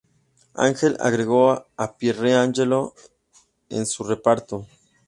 Ángel" agregó a Pierre Angelo en su reparto.